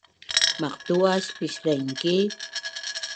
Maqtu’as pislaingki?